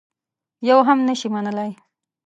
یوه هم نه شي منلای.